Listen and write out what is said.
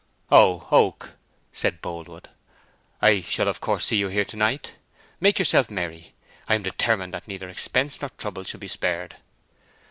"Oh, Oak," said Boldwood. "I shall of course see you here to night. Make yourself merry. I am determined that neither expense nor trouble shall be spared."